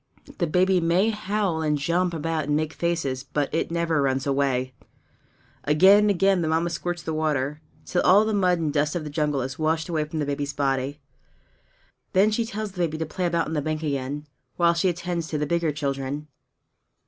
The baby may howl and jump about and make faces, but it never runs away! Again and again the Mamma squirts the water, till all the mud and dust of the jungle is washed away from the baby's body. Then she tells the baby to play about on the bank again, while she attends to the bigger children.